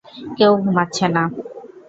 কেউ ঘুমাচ্ছে না।